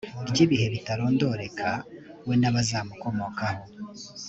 ry ibihe bitarondoreka we n abazamukomokaho